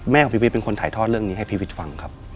ของพี่วิทย์เป็นคนถ่ายทอดเรื่องนี้ให้พี่วิทย์ฟังครับ